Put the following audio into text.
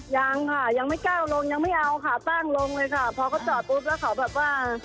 ยังค่ะยังไม่ก้าวลงยังไม่เอาค่ะตั้งลงเลยค่ะพอเขาจอดปุ๊บแล้วเขาแบบว่า